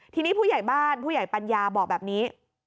ทีนี้ผู้ใหญ่บ้านผู้ใหญ่ปัญญาบอกแบบนี้